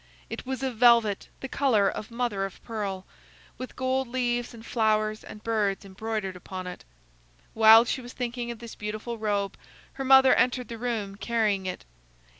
It was of velvet, the color of mother of pearl, with gold leaves and flowers and birds embroidered upon it. While she was thinking of this beautiful robe, her mother entered the room, carrying it.